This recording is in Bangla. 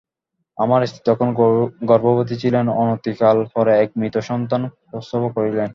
আমার স্ত্রী তখন গর্ভবতী ছিলেন, অনতিকাল পরে এক মৃত সন্তান প্রসব করিলেন।